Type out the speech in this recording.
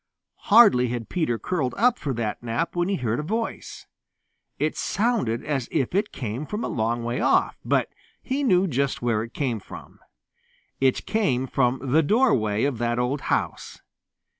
Hardly had Peter curled up for that nap when he heard a voice. It sounded as if it came from a long way off, but he knew just where it came from. It came from the doorway of that old house.